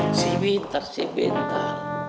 eh si wintar si bentar